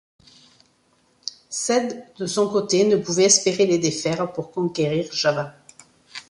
Said, de son côté, ne pouvait espérer les défaire pour conquérir Java.